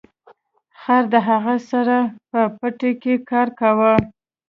خر د هغه سره په پټي کې کار کاوه.